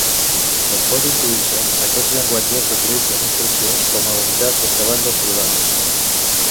Com pot intuir-se, aquests llenguatges utilitzen instruccions com a unitats de treball dels programes.